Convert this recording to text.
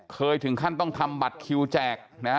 ถึงขั้นต้องทำบัตรคิวแจกนะฮะ